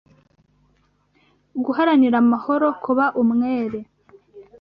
Guharanira amahoro kuba umwere